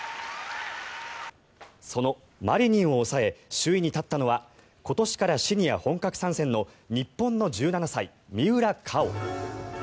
そのマリニンを抑え首位に立ったのは今年からシニア本格参戦の日本の１７歳、三浦佳生。